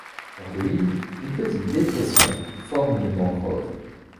Le cœur de l'île, une petite dépression, forme une mangrove.